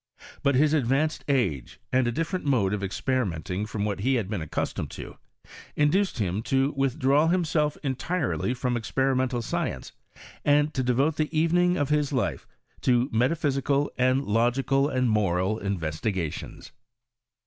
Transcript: But his advanced age, and a different mode of experimenting from what he had been accustomed to, induced him to with draw himself entirely from experimental science and to devote the evening of his life to metaphysical and logical and moral investigations.